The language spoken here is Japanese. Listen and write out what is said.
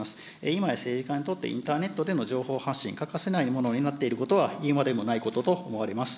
今や政治家にとってインターネットでの情報発信欠かせないものになっていることは、言うまでもないことと思われます。